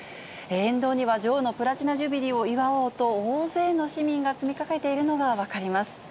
沿道には、女王のプラチナ・ジュビリーを祝おうと、大勢の市民が詰めかけているのが分かります。